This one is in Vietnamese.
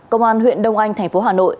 công an huyện đông anh thành phố hà nội